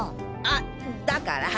あだから。